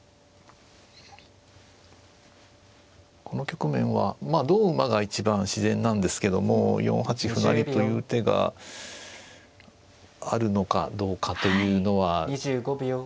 この局面はまあ同馬が一番自然なんですけども４八歩成という手があるのかどうかというのは。